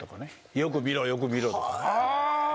「よく見ろよく見ろ」とかね。